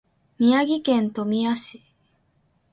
宮城県富谷市